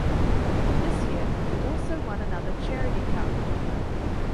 This year he also won another Charity Cup.